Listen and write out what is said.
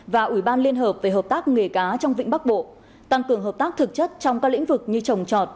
và ủy ban liên hợp về hợp tác nghề cá trong vịnh bắc bộ tăng cường hợp tác thực chất trong các lĩnh vực như trồng trọt